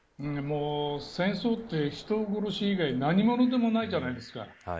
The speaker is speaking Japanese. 戦争って人殺し以外の何ものでもないじゃないですか。